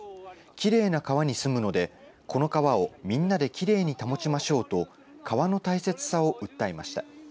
きれいな川に住むのでこの川を、みんなできれいに保ちましょうと川の大切さを訴えました。